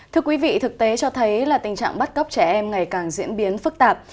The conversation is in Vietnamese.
thưa quý vị thực tế cho thấy là tình trạng bắt cóc trẻ em ngày càng diễn biến phức tạp